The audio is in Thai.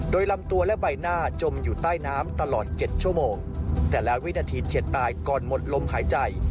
โดยลำตัวและใบหน้าจมอยู่ใต้น้ำตลอดเจ็ดชั่วโมงแต่ละวินาทีเฉียดตายก่อนหมดลมหายใจ